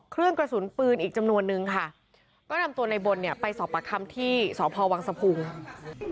เครื่องกระสุนปืนอีกจำนวนนึงค่ะก็นำตัวในบนเนี่ยไปสอบประคำที่สพวังสะพุง